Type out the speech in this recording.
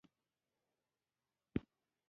ته ډیر ښه او خوږ يې. هغه په مینه وویل.